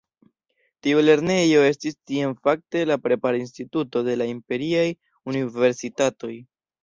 Tiu lernejo estis tiam fakte la prepara instituto de la imperiaj universitatoj.